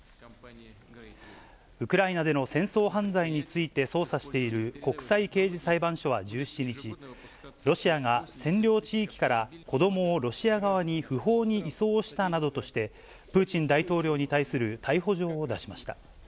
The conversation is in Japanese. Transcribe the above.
ウクライナでの戦争犯罪について捜査している国際刑事裁判所は１７日、ロシアが占領地域から子どもをロシア側に不法に移送したなどとして、プーチン大統領に対する逮捕状を出しました。